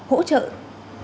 hỗ trợ các tỉnh